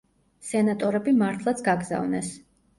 სენატორები მართლაც გაგზავნეს.